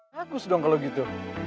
takus dong kalau gitu